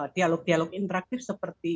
dialog dialog interaktif seperti